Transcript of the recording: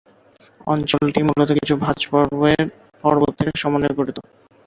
অঞ্চলটি মূলত কিছু ভাঁজ পর্বতের সমন্বয়ে গঠিত।